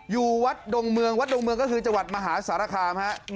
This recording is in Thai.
อยู่วัดดงเมืองวัดดงเมืองคือจาวัดมหาศารฐามแหนะครับ